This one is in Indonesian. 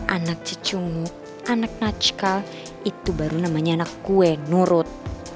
anak cucumu anak najkal itu baru namanya anak kue nurut